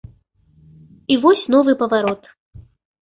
І вось новы паварот.